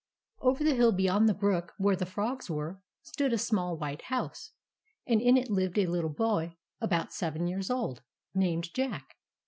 Over the hill beyond the brook where the Frogs were, stood a small white house, and in it lived a little boy about seven years old, named Jack.